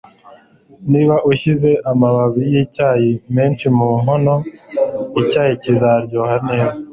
Niba ushyize amababi yicyayi menshi mu nkono, icyayi kizaryoha neza.